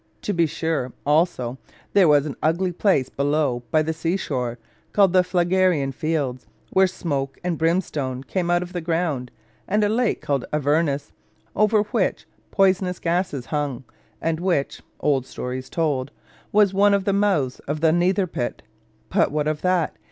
To be sure, also, there was an ugly place below by the sea shore, called the Phlegraen fields, where smoke and brimstone came out of the ground, and a lake called Avernus over which poisonous gases hung, and which (old stories told) was one of the mouths of the Nether Pit. But what of that?